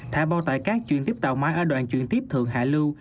thả bao tải các chuyển tiếp tàu máy ở đoạn chuyển tiếp thượng hạ lưu